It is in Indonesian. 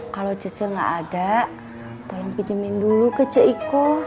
kalau c c gak ada tolong pinjemin dulu ke c i k